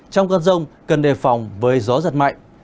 trong cơn rông cần đề phòng với gió giật mạnh